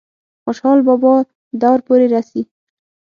خوشحال بابا دور پورې رسي ۔